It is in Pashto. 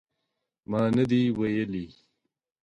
ما نه دي ویلي